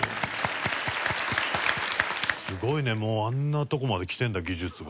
すごいねもうあんなとこまできてるんだ技術が。